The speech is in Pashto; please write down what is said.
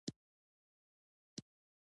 دوکاندار د خپلو اجناسو تضمین کوي.